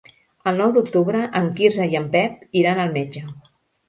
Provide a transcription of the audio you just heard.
El nou d'octubre en Quirze i en Pep iran al metge.